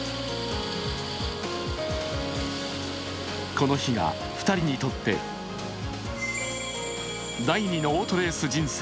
この日が２人にとって第２のオートレース人生